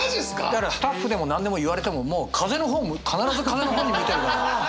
だからスタッフでも何でも言われてももう風の方必ず風の方に向いてるから。